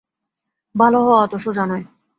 ভাল হওয়া অত সোজা নয়।